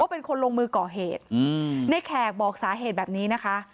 เป็นคนลงมือก่อเหตุในแขกบอกสาเหตุแบบนี้นะคะ